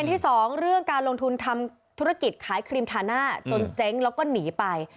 เขาลงทุนทำธุรกิจขายครีมทาน่าจนเจ๊งแล้วก็หนีไป